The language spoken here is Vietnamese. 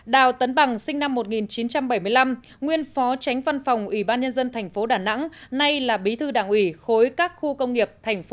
một đào tấn bằng sinh năm một nghìn chín trăm bảy mươi năm nguyên phó tránh văn phòng ủy ban nhân dân thành phố đà nẵng nay là bí thư đảng ủy khối các khu công nghiệp